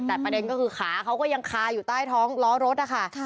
แต่ประเด็นก็คือขาเขาก็ยังคาอยู่ใต้ท้องล้อรถนะคะ